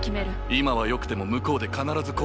今はよくても向こうで必ず後悔する。